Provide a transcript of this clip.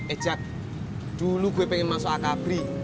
ejak dulu gue pengen masuk akabri